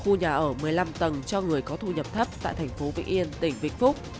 khu nhà ở một mươi năm tầng cho người có thu nhập thấp tại thành phố vĩnh yên tỉnh vĩnh phúc